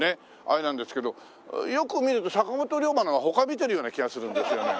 あれなんですけどよく見ると坂本龍馬のが他見てるような気がするんですよね。